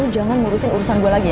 jangan ngurusin urusan gue lagi ya